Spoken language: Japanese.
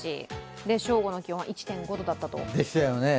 正午の気温は１．５度だったと。